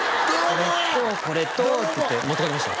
これとこれとっていって持って帰りました